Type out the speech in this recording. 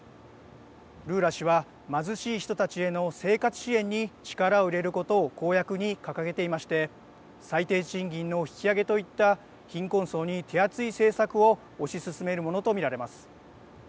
ルーラ氏は貧しい人たちへの生活支援に力を入れることを公約に掲げていまして、最低賃金の引き上げといった貧困層に手厚い政策を推し進めるものと見られます。